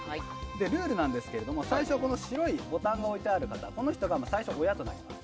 ルールなんですけども最初は白いボタンが置いてあるこの人が最初、親となります。